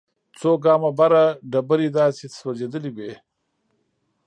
څو ګامه بره ډبرې داسې سوځېدلې وې.